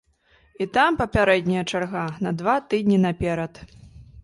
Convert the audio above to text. І там папярэдняя чарга на два тыдні наперад.